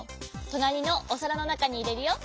となりのおさらのなかにいれるよ。